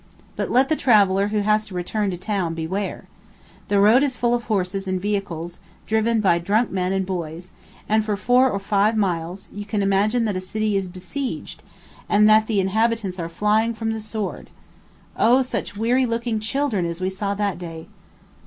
But let the traveller who has to return to town beware. The road is full of horses and vehicles, driven by drunken men and boys; and, for four or five miles, you can imagine that a city is besieged, and that the inhabitants are flying from the sword. O, such weary looking children as we saw that day!